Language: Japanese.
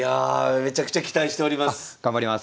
めちゃくちゃ期待しております。